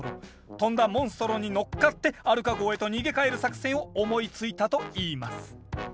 飛んだモンストロに乗っかってアルカ号へと逃げ帰る作戦を思いついたといいます。